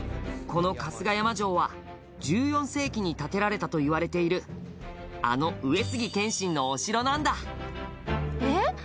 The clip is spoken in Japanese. この春日山城は、１４世紀に建てられたといわれているあの上杉謙信のお城なんだえっ？